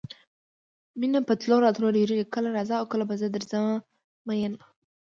مینه په تلو راتلو ډېرېږي کله راځه او کله به زه درځم میینه.